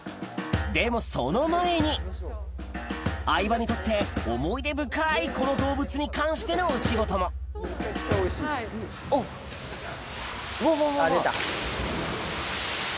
でもその前に相葉にとって思い出深いこの動物に関してのお仕事もうわうわうわうわ！